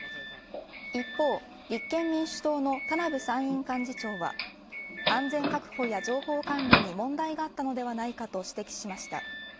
一方、立憲民主党の田名部参院幹事長は安全確保や情報管理に問題があったのではないかと指摘しました。